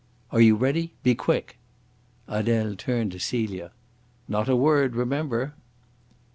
"Are you ready? Be quick!" Adele turned to Celia. "Not a word, remember!"